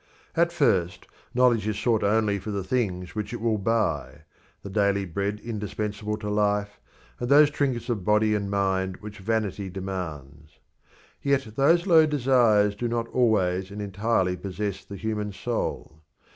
At first knowledge is sought only for the things which it will buy the daily bread indispensable to life, and those trinkets of body and mind which vanity demands. Yet those low desires do not always and entirely possess the human soul.